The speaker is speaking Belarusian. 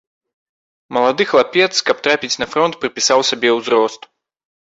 Малады хлапец, каб трапіць на фронт, прыпісаў сабе ўзрост.